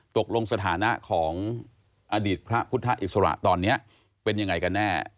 สถานะของอดีตพระพุทธอิสระตอนนี้เป็นยังไงกันแน่